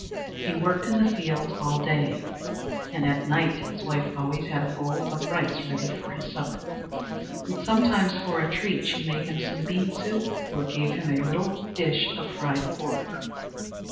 ] He worked in the fields all day, and at night his wife always had a bowl of rice ready for his supper. And sometimes, for a treat, she made him some bean soup, or gave him a little dish of fried pork.